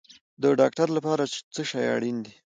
د ډاکټر لپاره څه شی اړین دی؟